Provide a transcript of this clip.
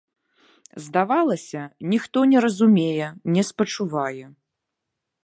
Здавалася, ніхто не разумее, не спачувае.